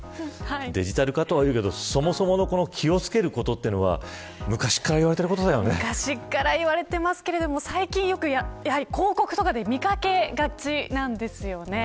デジタル化とは言うけどそもそもの気を付けることというのは昔から言われている昔から言われていますけれども最近、やはりよく広告とかで見かけがちなんですよね。